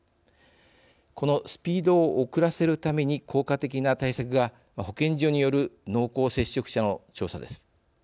このスピードを遅らせるために効果的な対策が、保健所による濃厚接触者の調査です。